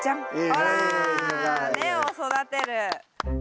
ほら根を育てる。